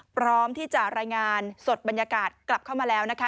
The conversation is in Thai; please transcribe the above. พร้อมที่จะรายงานสดบรรยากาศกลับเข้ามาแล้วนะคะ